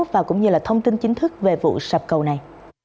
và cũng như là thông tin chính thức về vụ sập cầu này